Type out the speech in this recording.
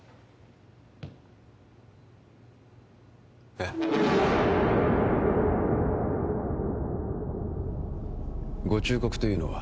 えっご忠告というのは？